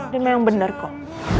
dia memang bener kok